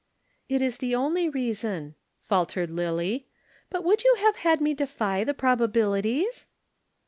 "It is the only reason," faltered Lillie. "But would you have had me defy the probabilities?"